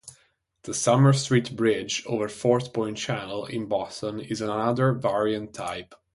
The Summer Street Bridge over Fort Point Channel in Boston is another variant type.